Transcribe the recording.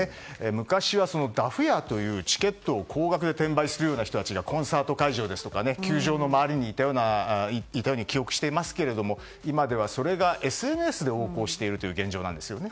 昔はダフ屋という、チケットを高額で転売するような人たちがコンサート会場や球場の周りにいたように記憶していますが今ではそれがＳＮＳで横行しているという現状なんです。